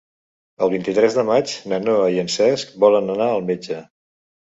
El vint-i-tres de maig na Noa i en Cesc volen anar al metge.